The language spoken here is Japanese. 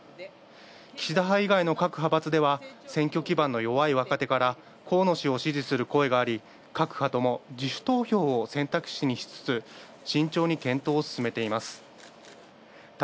岸田派以外の各派閥では河野氏を支持する声があり、各派とも自主投票を選択肢にしつつ、慎重に検討を進めています。